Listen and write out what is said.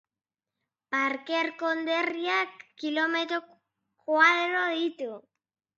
Parker konderriak kilometro koadro ditu.